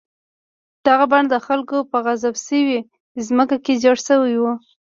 دغه بڼ د خلکو په غصب شوې ځمکه کې جوړ شوی و.